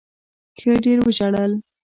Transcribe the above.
ښه ډېر وژړل.